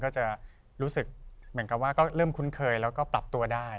ก็จะรู้สึกเหมือนกับว่าก็เริ่มคุ้นเคยแล้วก็ปรับตัวได้